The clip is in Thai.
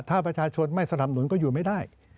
ถ้าประชาชนไม่สนับสนุนก็อยู่ไม่ได้